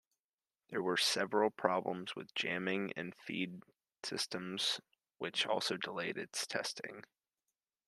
There were several problems with jamming and feed systems, which also delayed its testing.